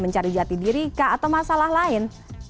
mencari jati diri kah atau masalah lain